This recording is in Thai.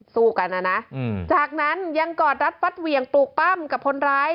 สู้กันนะนะจากนั้นยังกอดรัดฟัดเหวี่ยงปลูกปั้มกับคนร้าย